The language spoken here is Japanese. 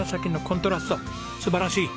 素晴らしい。